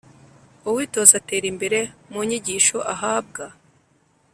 uwitoza atera imbere mu nyigisho ahabwa